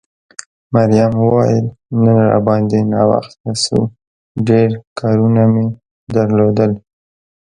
مريم وویل نن را باندې ناوخته شو، ډېر کارونه مې درلودل.